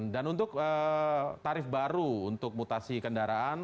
untuk tarif baru untuk mutasi kendaraan